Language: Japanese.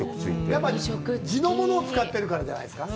やっぱり地の物を使ってるからじゃないですか。